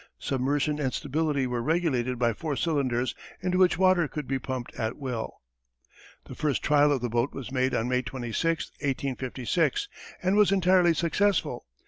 Submersion and stability were regulated by four cylinders into which water could be pumped at will. The first trial of the boat was made on May 26, 1856, and was entirely successful.